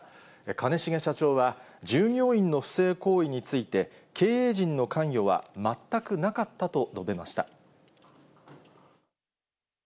兼重社長は、従業員の不正行為について、経営陣の関与は全くなかったと述べました。